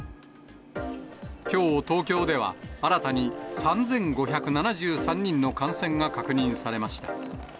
きょう、東京では新たに３５７３人の感染が確認されました。